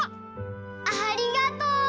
ありがとう！